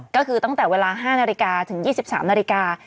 ก็คือตั้งแต่เวลา๕นาฬิกาถึง๒๓นาฬิกา